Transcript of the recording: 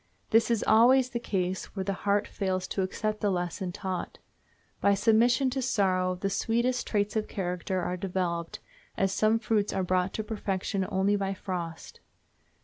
This is always the case where the heart fails to accept the lesson taught. By submission to sorrow the sweetest traits of character are developed, as some fruits are brought to perfection only by frost.